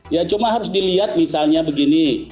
ya cuma harus dilihat misalnya begini